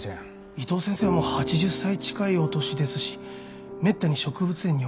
伊藤先生はもう８０歳近いお年ですしめったに植物園にはお出になりません。